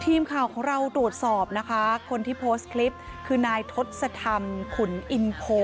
ทีมข่าวของเราตรวจสอบนะคะคนที่โพสต์คลิปคือนายทศธรรมขุนอินโพ